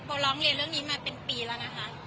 ร้องเรียนเรื่องนี้มาเป็นปีแล้วนะคะ